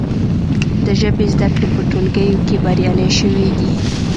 د ژبې زده کړې په ټولګیو کې بریالۍ شوي دي.